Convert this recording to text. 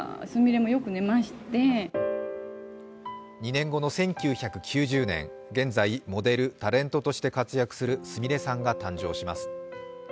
２年後の１９９０年現在、モデル、タレントとして活躍するすみれさんが誕生します。